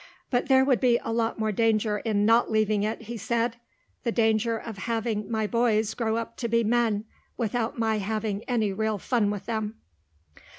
"But there would be a lot more danger in not leaving it," he said, "the danger of having my boys grow up to be men without my having any real fun with them."